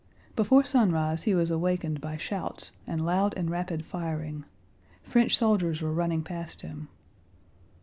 Before sunrise he was awakened by shouts and loud and rapid firing. French soldiers were running past him.